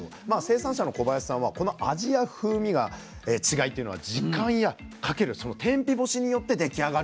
生産者の小林さんはこの味や風味の違いっていうのは時間やかける天日干しによって出来上がるんだと言ってましたね。